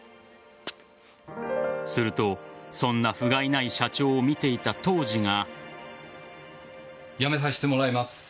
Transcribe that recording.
すると、そんな不甲斐ない社長を見ていた杜氏が。